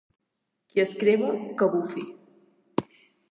Qui es crema, que bufi.